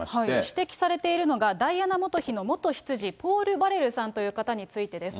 指摘されているのが、ダイアナ元妃の元執事、ポール・バレルさんという方についてです。